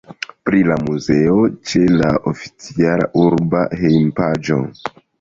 Pri la muzeo ĉe la oficiala urba hejmpaĝo.